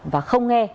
và không nghe